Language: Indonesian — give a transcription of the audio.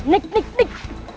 naik naik naik